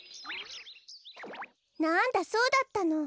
なんだそうだったの。